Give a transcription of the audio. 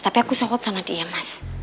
tapi aku sokot sama dia mas